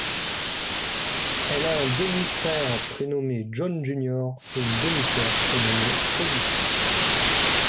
Elle a un demi-frère prénommé John Junior et une demi-sœur prénommée Holly.